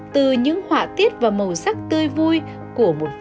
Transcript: từ những họa tiết và màu sắc tươi vui của một nhà thiết kế